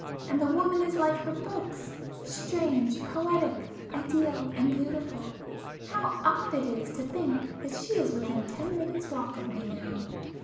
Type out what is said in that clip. And the woman is like her books,—strange, poetic, ideal and beautiful,—how odd it is to think that she is within ten minutes walk of me now!